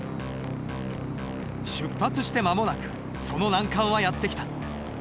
出発して間もなくその難関はやって来た。